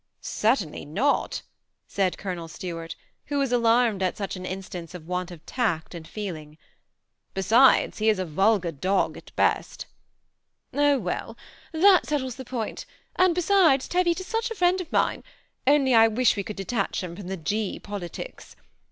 "CJertainly not," said Colonel Stnart, who was alarmed at such an instance of want of tact and feeling ;" besides^ he is a vulgar dog at best." ^ Oh well ! then that settles the point ; and besides, Teviot is such a friend of mine, only I wish we could detach him from the G. politics.